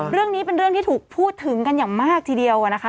เรื่องนี้เป็นเรื่องที่ถูกพูดถึงกันอย่างมากทีเดียวนะคะ